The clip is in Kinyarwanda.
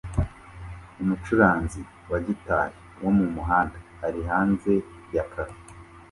Umucuranzi wa gitari wo mumuhanda ari hanze ya cafe